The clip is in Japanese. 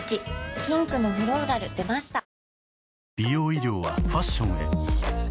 ピンクのフローラル出ましたくそ